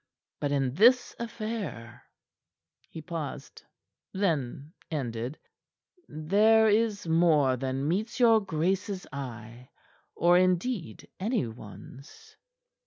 But in this affair " he paused, then ended "there is more than meets your grace's eye, or, indeed, anyone's."